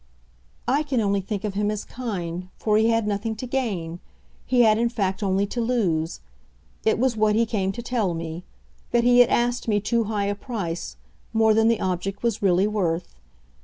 "I can only think of him as kind, for he had nothing to gain. He had in fact only to lose. It was what he came to tell me that he had asked me too high a price, more than the object was really worth.